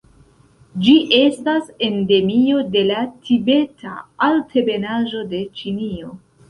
Ĝi estas endemio de la Tibeta Altebenaĵo de Ĉinio.